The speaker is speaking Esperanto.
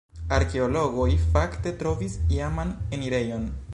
Arkeologoj fakte trovis iaman enirejon.